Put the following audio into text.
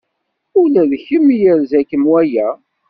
Ula d kemm yerza-kem waya.